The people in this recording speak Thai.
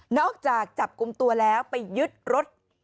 จากจับกลุ่มตัวแล้วไปยึดรถ